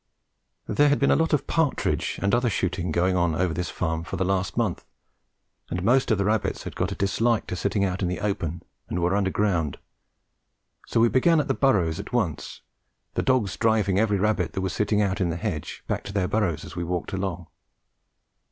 There had been a lot of partridge and other shooting going on over this farm for the last month, and most of the rabbits had got a dislike to sitting out in the open, and were under ground, so we began at the burrows at once, the dogs driving every rabbit that was sitting out in the hedge back to their burrows as we walked along.